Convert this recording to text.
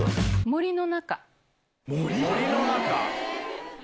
森の中。